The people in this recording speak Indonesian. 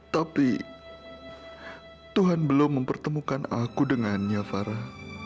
tapi tuhan belum mempertemukan aku dengannya farah